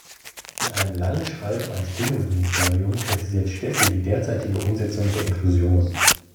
In einem langen Schreiben ans Bildungsministerium kritisiert Steffi die derzeitige Umsetzung der Inklusion.